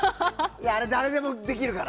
誰でもできるから。